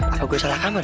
apa gue salah kamar